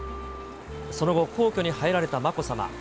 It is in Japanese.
その後、皇居に入られたまこさま。